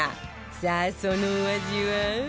さあそのお味は？